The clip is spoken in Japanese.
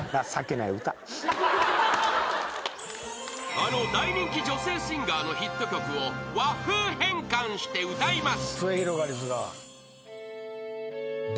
［あの大人気女性シンガーのヒット曲を和風変換して歌います］